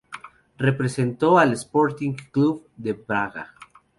Representó al Sporting Clube de Braga.